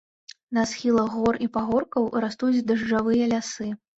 На схілах гор і пагоркаў растуць дажджавыя лясы.